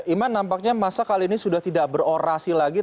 iman nampaknya masa kali ini sudah tidak berorasi lagi